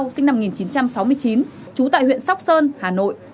nguyễn văn ba sinh năm một nghìn chín trăm sáu mươi chín trú tại huyện sóc sơn hà nội